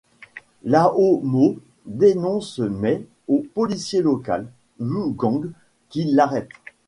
Lao Mo dénonce Mai au policier local, Wu Gang, qui l'arrête.